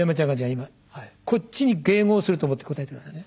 今こっちに迎合すると思って答えて下さいね。